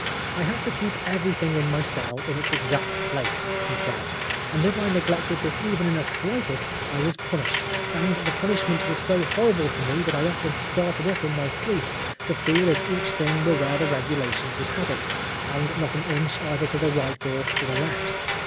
" I had to keep everything in my cell in its exact place," he said, "and if I neglected this even in the slightest, I was punished, and the punishment was so horrible 227 Oscar Wilde to me that I often started up in my sleep to feel if each thing was where the regulations would have it, and not an inch either to the right or to the left.